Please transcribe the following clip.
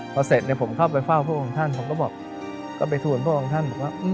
พอเสร็จผมเข้าไปเฝ้าพวกท่านก็ไปทูลพวกท่าน